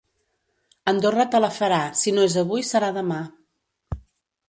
Andorra te la farà, si no és avui serà demà.